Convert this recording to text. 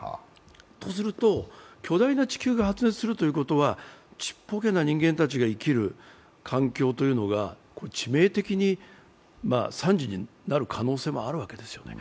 とすると、巨大な地球が発熱するということは、ちっぽけな人間たちが生きる環境というのが、致命的に、惨事になる可能性もあるわけですよね。